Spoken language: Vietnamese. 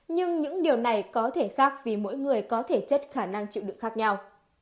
nhưng những điều này có thể khác vì mỗi người có thể chất khả năng chịu đựng khác nhau